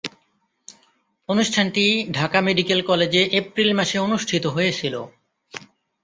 অনুষ্ঠানটি ঢাকা মেডিকেল কলেজে এপ্রিল মাসে অনুষ্ঠিত হয়েছিলো।